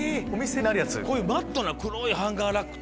こういうマットな黒いハンガーラックって。